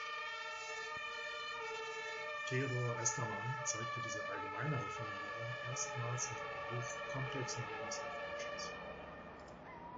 Theodor Estermann zeigte diese allgemeinere Formulierung erstmals in seinem Buch "Complex Numbers and Functions".